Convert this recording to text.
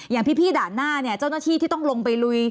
อย่างพี่ด่านหน้าเนี่ยเจ้าหน้าที่ที่ต้องลงไปลุย